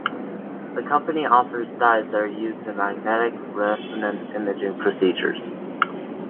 The company offers dyes that are used in magnetic-resonance-imaging procedures.